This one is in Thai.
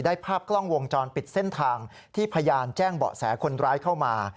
ภาพกล้องวงจรปิดเส้นทางที่พยานแจ้งเบาะแสคนร้ายเข้ามา